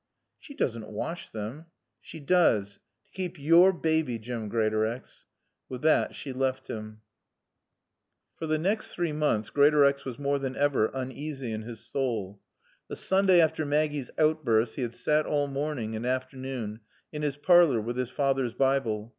"She doesn't wash them?" "Shea does. T' kape yore baaby, Jim Greatorex." With that she left him. For the next three months Greatorex was more than ever uneasy in his soul. The Sunday after Maggie's outburst he had sat all morning and afternoon in his parlor with his father's Bible.